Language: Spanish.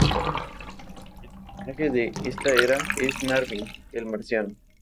El personaje de esta era es Marvin el marciano.